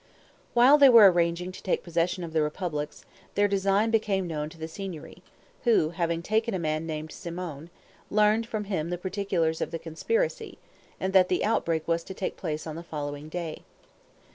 While they were arranging to take possession of the republic, their design became known to the Signory, who, having taken a man named Simone, learned from him the particulars of the conspiracy, and that the outbreak was to take place on the following day.